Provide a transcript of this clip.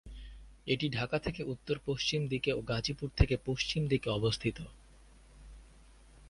এটি ঢাকা থেকে উত্তর-পশ্চিম দিকে ও গাজীপুর থেকে পশ্চিম দিকে অবস্থিত।